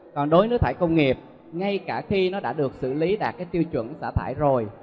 còn đối nước thải công nghiệp ngay cả khi nó đã được xử lý đạt cái tiêu chuẩn xả thải rồi